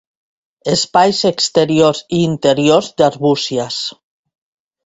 Espais exteriors i interiors d'Arbúcies.